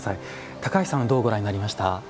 高橋さんはどうご覧になりました？